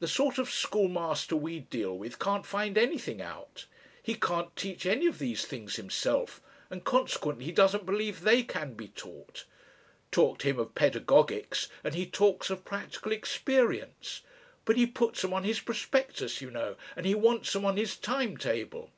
The sort of schoolmaster we deal with can't find anything out. He can't teach any of these things himself and consequently he doesn't believe they can be taught. Talk to him of pedagogics and he talks of practical experience. But he puts 'em on his prospectus, you know, and he wants 'em on his time table.